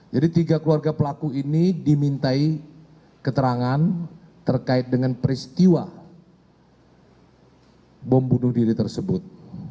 jadi tiga keluarga pelaku ini dimintai keterangan terkait dengan peristiwa bom bunuh diri tersebut